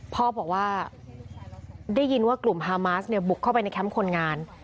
พ่อบอกว่าได้ยินว่ากลุ่มฮามาสเนี่ยบุกเข้าไปในแคมป์คนงาน